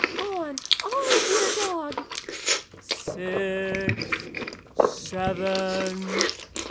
" On, on, dear Dog." " Six ! Seven